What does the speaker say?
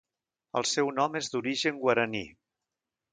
El seu nom és d'origen guaraní.